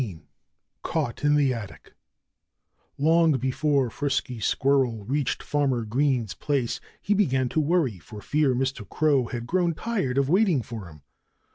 XVI Caught in the Attic Long before Frisky Squirrel reached Farmer Green's place, he began to worry for fear Mr. Crow had grown tired of waiting for him.